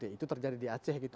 itu terjadi di aceh